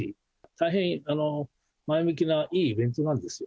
大変前向きないいイベントなんですよ。